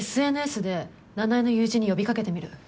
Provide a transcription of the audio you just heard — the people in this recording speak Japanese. ＳＮＳで奈々江の友人に呼びかけてみる。